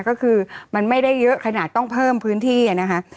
ก็คือมันไม่ได้เยอะขนาดต้องเพิ่มพื้นที่นะคะ